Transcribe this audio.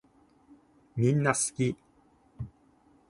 みんなすき